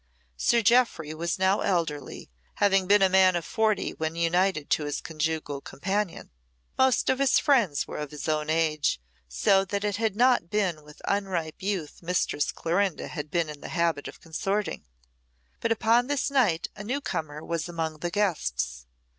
Sir Jeoffry was now elderly, having been a man of forty when united to his conjugal companion. Most of his friends were of his own age, so that it had not been with unripe youth Mistress Clorinda had been in the habit of consorting. But upon this night a newcomer was among the guests.